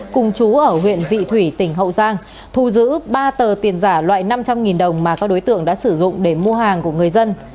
cùng chú ở huyện vị thủy tỉnh hậu giang thu giữ ba tờ tiền giả loại năm trăm linh đồng mà các đối tượng đã sử dụng để mua hàng của người dân